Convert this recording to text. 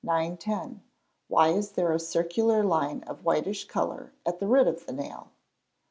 910. _Why is there a circular line of whitish colour at the root of the nail?